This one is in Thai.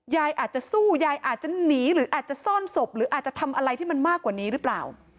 ยายอาจจะสู้ยายอาจจะหนีหรืออาจจะซ่อนศพหรืออาจจะทำอะไรที่มันมากกว่านี้หรือเปล่า